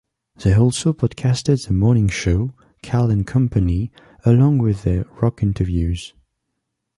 They also podcasted their morning show, Cal and Company, along with their rock interviews.